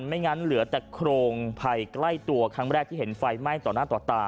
ไม่งั้นเหลือแต่โครงภัยใกล้ตัวครั้งแรกที่เห็นไฟไหม้ต่อหน้าต่อตา